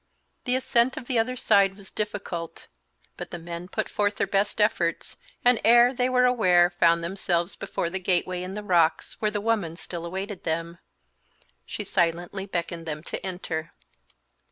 The ascent of the other side was difficult, but the men put forth their best efforts, and ere they were aware found themselves before the gateway in the rocks, where the woman still awaited them. She silently beckoned them to enter.